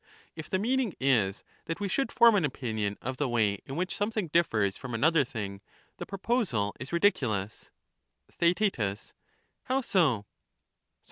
If the meaning is, that we should form an opinion of the way in which something differs from another thing, the proposal is ridiculous. Theaet How so?